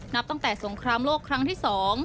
นับตั้งแต่สงครามโลกครั้งที่๒